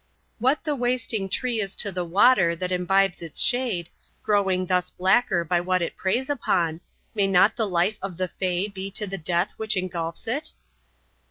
What the wasting tree is to the water that imbibes its shade, growing thus blacker by what it preys upon, may not the life of the Fay be to the death which engulfs it?"